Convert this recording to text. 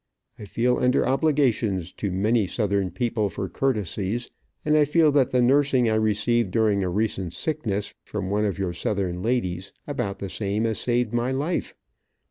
I feel under obligations to many Southern people for courtesies, and I feel that the nursing I received during a recent sickness, from one of your Southern ladies, about the same as saved my life.